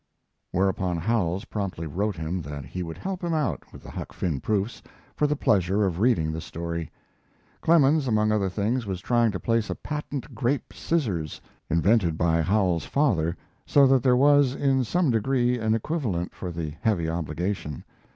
Whereupon Howells promptly wrote him that he would help him out with the Huck Finn proofs for the pleasure of reading the story. Clemens, among other things, was trying to place a patent grape scissors, invented by Howells's father, so that there was, in some degree, an equivalent for the heavy obligation.